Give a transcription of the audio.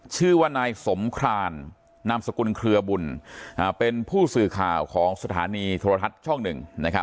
ชื่อว่านายสมครานนามสกุลเครือบุญเป็นผู้สื่อข่าวของสถานีโทรทัศน์ช่องหนึ่ง